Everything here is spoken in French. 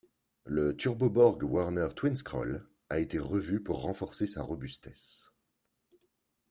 Le Turbo Borg Warner twinscroll a été revu pour renforcer sa robustesse.